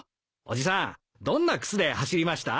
伯父さんどんな靴で走りました？